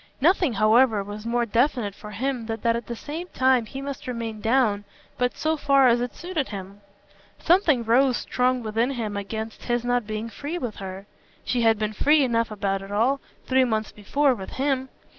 Nothing, however, was more definite for him than that at the same time he must remain down but so far as it suited him. Something rose strong within him against his not being free with her. She had been free enough about it all, three months before, with HIM.